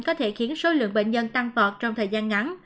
có thể khiến số lượng bệnh nhân tăng vọt trong thời gian ngắn